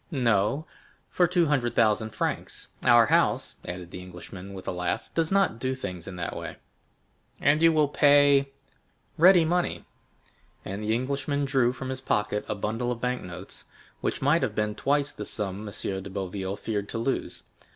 "No, for two hundred thousand francs. Our house," added the Englishman with a laugh, "does not do things in that way." "And you will pay——" "Ready money." 20023m And the Englishman drew from his pocket a bundle of bank notes, which might have been twice the sum M. de Boville feared to lose.